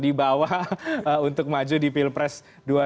dibawa untuk maju di pilpres dua ribu dua puluh empat